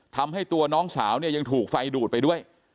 ทำให้ตัวน้องสาวเนี่ยยังถูกไฟดูดไปด้วย